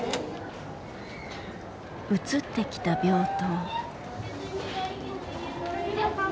移ってきた病棟。